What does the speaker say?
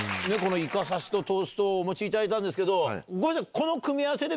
イカ刺しとトーストお持ちいただいたんですけど。